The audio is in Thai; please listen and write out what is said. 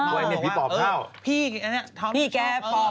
เออเพราะว่าพี่แกฟอบ